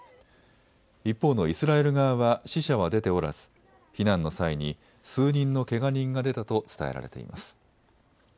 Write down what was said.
一方のイスラエル側は死者は出ておらず避難の際に数人のけが人が出たと伝えられています。